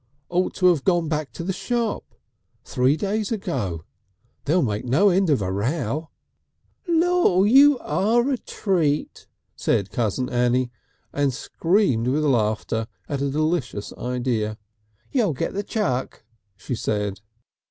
"Ought to have gone back to shop three days ago. They'll make no end of a row!" "Lor, you are a Treat!" said cousin Annie, and screamed with laughter at a delicious idea. "You'll get the Chuck," she said.